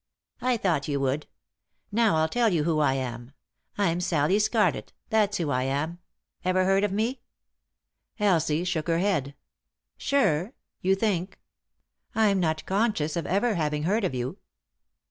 " I thought you would. Now I'll tell you who I am. I'm Sallie Scarlett ; that's who I am. Ever heard of me ?" Elsie shook her head. "Sure? You think." " I'm not conscious of ever having heard of you."